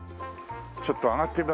ちょっと上がってみます？